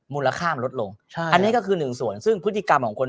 มูลค่ามันลดลงใช่อันนี้ก็คือหนึ่งส่วนซึ่งพฤติกรรมของคน